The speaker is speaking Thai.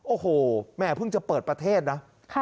โอ้โหแม่เพิ่งจะเปิดประเทศนะ